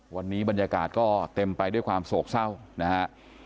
วันนี้บรรยากาศก็เต็มไปด้วยความโศกเศร้านะฮะ